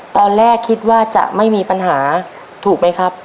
ตอนแรกคิดว่าจะไม่มีปัญหาถูกไหมครับ